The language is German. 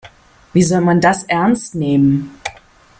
Wie soll man das ernst nehmen?